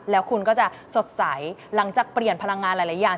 แล้วคุณก็จะสดใสหลังจากเปลี่ยนพลังงานหลายอย่าง